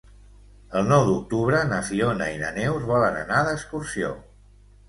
El nou d'octubre na Fiona i na Neus volen anar d'excursió.